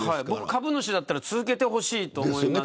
株主だったら続けてほしいと思います。